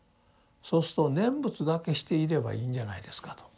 そうすると念仏だけしていればいいんじゃないですかと。